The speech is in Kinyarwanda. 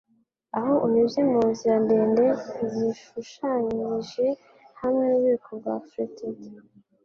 Aho unyuze munzira ndende zishushanyije hamwe nububiko bwa fretted